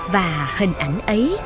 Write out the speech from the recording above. và hình ảnh ấy